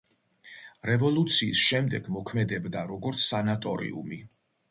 რევოლუციის შემდეგ მოქმედებდა როგორც სანატორიუმი.